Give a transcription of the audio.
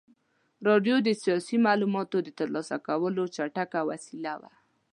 راډیو د سیاسي معلوماتو د ترلاسه کولو چټکه وسیله وه.